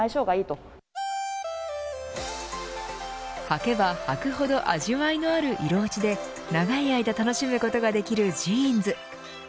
はけばはくほど味わいのある色落ちで長い間楽しむことができるジーンズ。